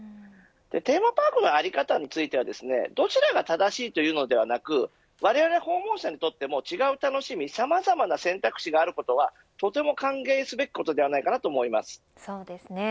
テーマパークの在り方についてはどちらが正しいというのではなくわれわれ訪問者にとっても違う楽しみ、さまざまな選択肢があることはとても歓迎すべきことそうですね。